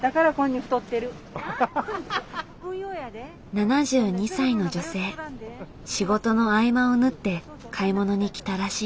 ７２歳の女性仕事の合間を縫って買い物に来たらしい。